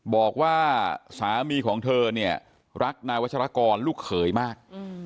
บอกว่าสามีของเธอเนี่ยรักนายวัชรกรลูกเขยมาก